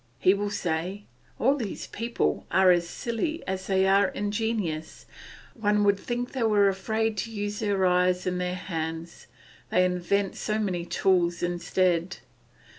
He will say, "All those people are as silly as they are ingenious; one would think they were afraid to use their eyes and their hands, they invent so many tools instead.